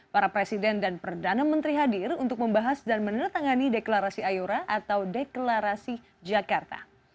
para presiden dan perdana menteri hadir untuk membahas dan meneretangani deklarasi ayora atau deklarasi jakarta